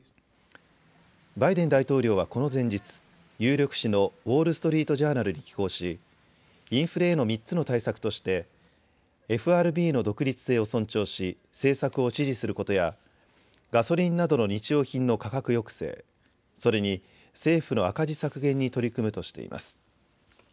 バイデン大統領はこの前日、有力紙のウォール・ストリート・ジャーナルに寄稿しインフレへの３つの対策としてＦＲＢの独立性を尊重し政策を支持することやガソリンなどの日用品の価格抑制、それに政府の赤字削減に取り組むとしています。